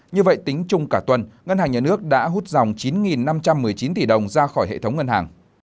như vậy tính chung cả tuần ngân hàng nhà nước đã hút dòng chín năm trăm một mươi chín tỷ đồng ra khỏi hệ thống ngân hàng